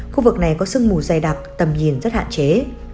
khu vực này có sương mù dày đặc tầm nhìn rất hạn chế